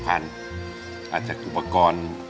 ๒๐๐๐อาจจะอุปกรณ์